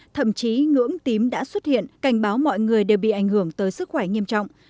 thậm chí ngưỡng tím đã xuất hiện cảnh báo mọi người đều bị ảnh hưởng tới sức khỏe nghiêm trọng